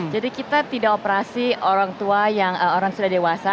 jadi kita tidak operasi orang tua yang orang sudah dewasa